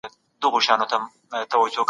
بهرنی سیاست د ټولني په رفاه تاثیر کوي.